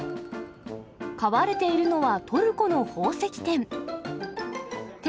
飼われているのは、トルコの宝石店。